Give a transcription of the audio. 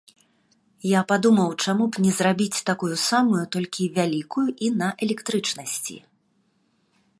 Я падумаў, чаму б не зрабіць такую самую толькі вялікую і на электрычнасці?